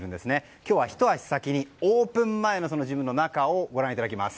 今日はひと足先にオープン前のジムの中をご覧いただきます。